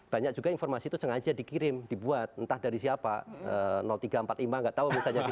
banyak juga informasi itu sengaja dikirim dibuat entah dari siapa tiga ratus empat puluh lima gak tau misalnya dibuat